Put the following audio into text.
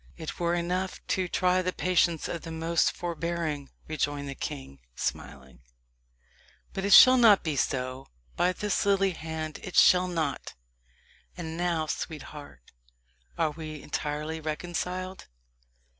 "It were enough to try the patience of the most forbearing," rejoined the king, smiling "but it shall not be so by this lily hand it shall not! And now, sweetheart, are we entirely reconciled?